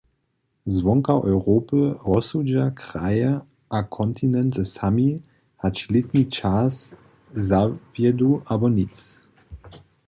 Zwonka Europy rozsudźa kraje a kontinenty sami, hač lětni čas zawjedu abo nic.